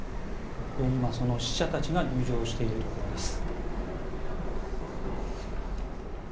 今、その使者たちが入場しているところです。